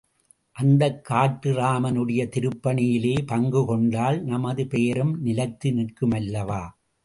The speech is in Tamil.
அந்த காட்டு ராமனுடைய திருப்பணியிலே பங்கு கொண்டால், நமது பெயரும் நிலைத்து நிற்குமல்லவா?